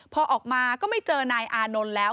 พอออกมาก็ไม่เจอนายอานนท์แล้ว